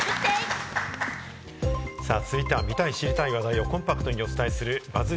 続いては見たい知りたい話題をコンパクトにお伝えするＢＵＺＺ